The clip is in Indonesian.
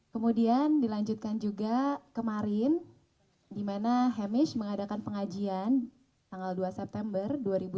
kemudian dilanjutkan juga kemarin di mana hemish mengadakan pengajian tanggal dua september dua ribu dua puluh